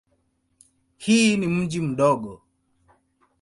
Hii ni mji mdogo.